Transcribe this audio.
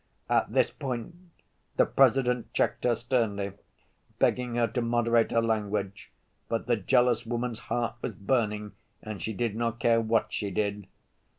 At this point the President checked her sternly, begging her to moderate her language. But the jealous woman's heart was burning, and she did not care what she did.